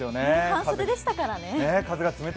半袖でしたからね。